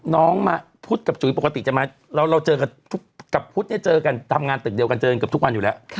น้องมาพุทธกับจุ๋ยปกติจะมาเราเจอกับพุทธเนี่ยเจอกันทำงานตึกเดียวกันเจอกันเกือบทุกวันอยู่แล้ว